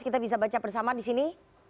kita bisa baca bersama di sini